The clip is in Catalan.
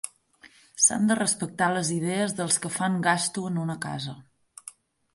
S'han de respectar les idees dels que fan gasto en una casa